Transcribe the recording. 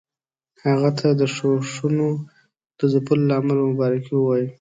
هغه ته د ښورښونو د ځپلو له امله مبارکي ووايي.